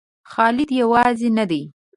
خالد یوازې نه دی.